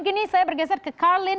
kini saya bergeser ke carlin darjanto